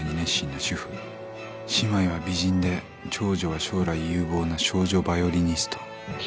［姉妹は美人で長女は将来有望な少女バイオリニスト］